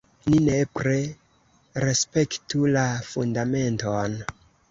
Ni nepre respektu la Fundamenton!